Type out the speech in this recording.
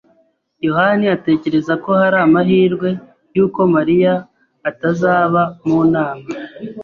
yohani atekereza ko hari amahirwe yuko Mariya atazaba mu nama.